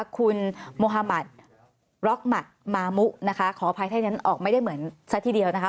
คุณโมฮามัติร็อกหมัดมามุนะคะขออภัยถ้าฉันออกไม่ได้เหมือนซะทีเดียวนะคะ